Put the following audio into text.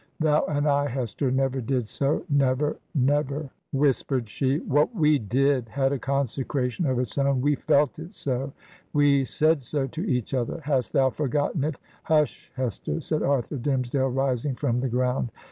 Thou and I, Hester, never did sol' 'Never, never I' whispered she. 'What we did had a consecration of its own. We felt it so! We said so to each other! Hast thou forgotten it?' 'Hush, Hester!' said Arthur Dimmesdale, rising from the ground.